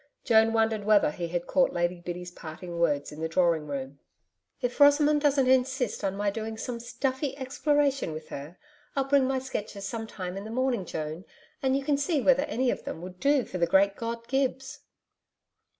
Joan wondered whether he had caught Lady Biddy's parting words in the drawing room. 'If Rosamond doesn't insist on my doing some stuffy exploration with her, I'll bring my sketches some time in the morning, Joan, and you can see whether any of them would do for the great god Gibbs.'